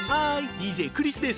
ＤＪクリスです。